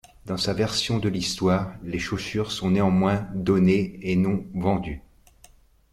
Dans sa version de l'histoire, les chaussures sont néanmoins données et non vendues.